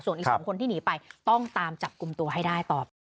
ส่วนอีก๒คนที่หนีไปต้องตามจับกลุ่มตัวให้ได้ต่อไป